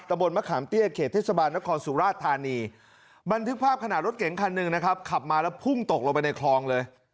บนมะขามเตี้ยเขตเทศบาลนครสุราชธานีบันทึกภาพขณะรถเก๋งคันหนึ่งนะครับขับมาแล้วพุ่งตกลงไปในคลองเลย